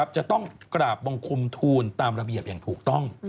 จะต้องกราบบังคมทูลตามระเบียบอย่างถูกต้อง